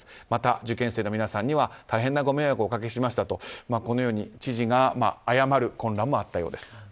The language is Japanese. また受験生の皆さんには大変なご迷惑をおかけしましたとこのように知事が謝る混乱もあったようです。